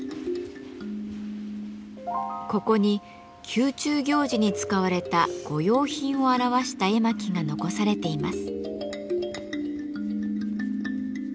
ここに宮中行事に使われた御用品を表した絵巻が残されています。